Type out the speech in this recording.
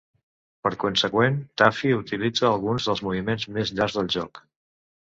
Per conseqüent, Taffy utilitza alguns dels moviments més llargs del joc.